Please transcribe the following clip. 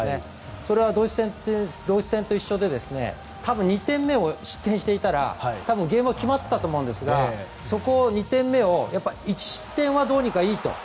それはドイツ戦と一緒で２点目を失点していたら、ゲームが決まっていたと思うんですがそこを１失点はいいと。